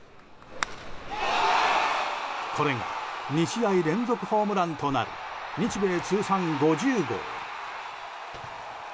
これが２試合連続ホームランとなり日米通算５０号。